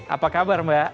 apa kabar mbak